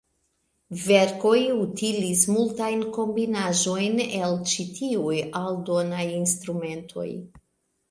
Verkoj utilis multajn kombinaĵojn el ĉi tiuj aldonaj instrumentoj.